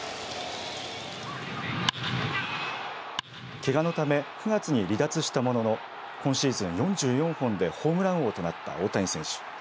けがのため９月に離脱したものの今シーズン４４本でホームラン王となった大谷選手。